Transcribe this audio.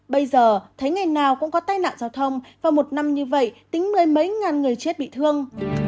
bây giờ thấy ngày nào cũng có tai nạn giao thông và một năm như vậy tính mười mấy ngàn người chết bị thương